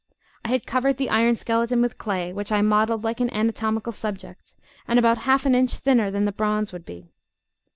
I had covered the iron skeleton with clay, which I modelled like an anatomical subject, and about half an inch thinner than the bronze would be.